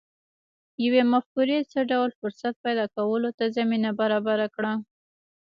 یوې مفکورې څه ډول فرصت پیدا کولو ته زمینه برابره کړه